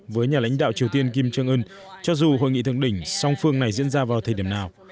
với nhà lãnh đạo triều tiên kim trương ưn cho dù hội nghị thượng đỉnh song phương này diễn ra vào thời điểm nào